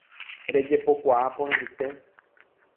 Rejepokuaa porãite